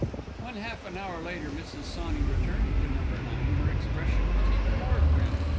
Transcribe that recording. When, half an hour later, Mrs. Sawney returned to No. 9, her expression was even more grim.